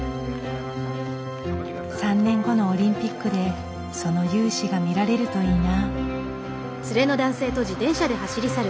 ３年後のオリンピックでその雄姿が見られるといいな。